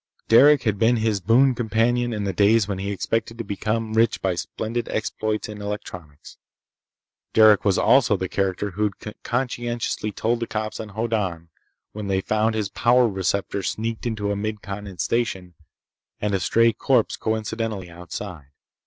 Derec had been his boon companion in the days when he expected to become rich by splendid exploits in electronics. Derec was also the character who'd conscientiously told the cops on Hoddan, when they found his power receptor sneaked into a Mid Continent station and a stray corpse coincidentally outside.